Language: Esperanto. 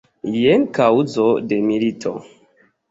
Jen kaŭzo de milito.